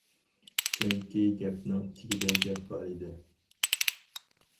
چۈنكى گەپنىڭ تېگىدە گەپ بار ئىدى.